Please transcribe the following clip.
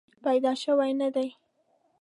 پیدا شوې نه دي.